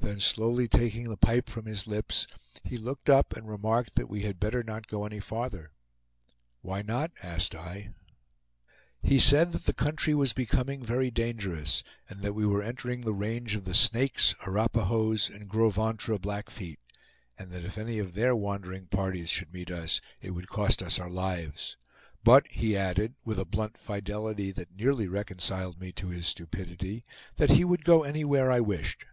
Then slowly taking the pipe from his lips, he looked up and remarked that we had better not go any farther. "Why not?" asked I. He said that the country was becoming very dangerous, that we were entering the range of the Snakes, Arapahoes and Grosventre Blackfeet, and that if any of their wandering parties should meet us, it would cost us our lives; but he added, with a blunt fidelity that nearly reconciled me to his stupidity, that he would go anywhere I wished.